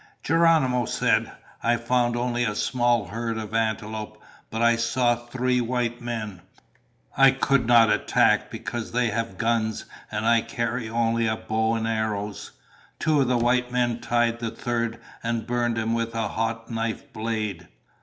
Geronimo said, "I found only a small herd of antelope, but I saw three white men. I could not attack because they have guns and I carry only a bow and arrows. Two of the white men tied the third and burned him with a hot knife blade."